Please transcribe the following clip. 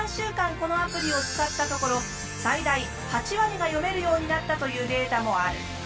このアプリを使ったところ最大８割が読めるようになったというデータもある。